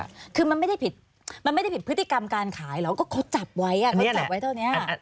คือมันไม่ได้ผิดมันไม่ได้ผิดพฤติกรรมการขายหรอกก็เขาจับไว้เขาจับไว้เท่านี้